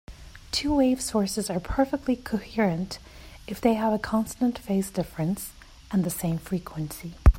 Two-wave sources are perfectly coherent if they have a constant phase difference and the same frequency.